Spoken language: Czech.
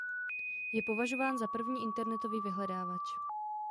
Je považován za první internetový vyhledávač.